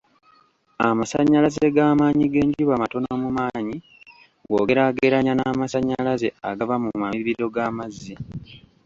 Amasannyalaze g'amaanyi g'enjuba matono mu maanyi bwogeraagerannya n'amasannyalaze agava mu mabibiro g'amazzi.